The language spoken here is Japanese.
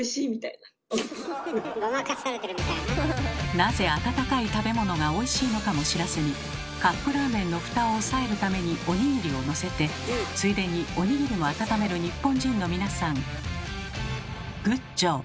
なぜ温かい食べ物がおいしいのかも知らずにカップラーメンのフタを押さえるためにおにぎりをのせてついでにおにぎりも温める日本人の皆さんグッジョブ！